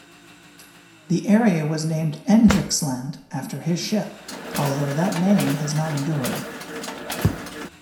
The area was named "Eendrachtsland" after his ship, although that name has not endured.